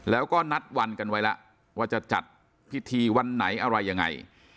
แล้วก็นัดวันกันไว้แล้วว่าจะจัดพิธีวันไหนอะไรยังไง